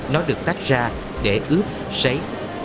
nó được tắt ra để ướp sấy